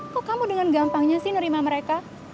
kok kamu dengan gampangnya sih nerima mereka